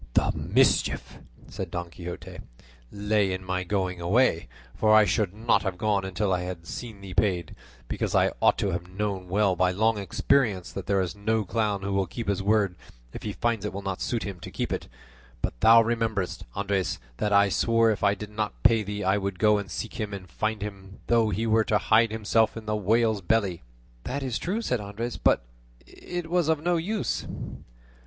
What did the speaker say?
"The mischief," said Don Quixote, "lay in my going away; for I should not have gone until I had seen thee paid; because I ought to have known well by long experience that there is no clown who will keep his word if he finds it will not suit him to keep it; but thou rememberest, Andres, that I swore if he did not pay thee I would go and seek him, and find him though he were to hide himself in the whale's belly." "That is true," said Andres; "but it was of no use."